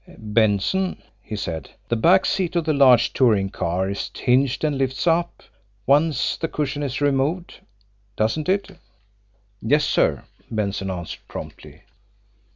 "Benson," he said, "the back seat of the large touring car is hinged and lifts up, once the cushion is removed, doesn't it?" "Yes, sir," Benson answered promptly.